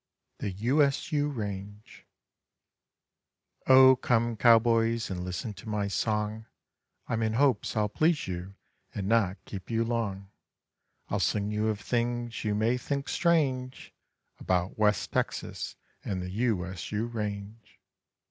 THE U S U RANGE O come cowboys and listen to my song, I'm in hopes I'll please you and not keep you long; I'll sing you of things you may think strange About West Texas and the U S U range.